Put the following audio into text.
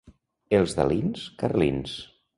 Els d'Alins, carlins.